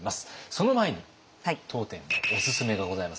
その前に当店のおすすめがございますので。